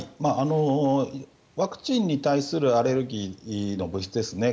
ワクチンに対するアレルギーの物質ですね